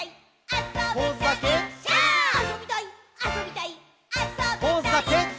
「あそびたいっ！」